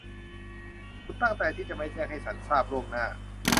คุณตั้งใจที่จะไม่แจ้งให้ฉันทราบล่วงหน้า ?